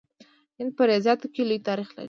هند په ریاضیاتو کې لوی تاریخ لري.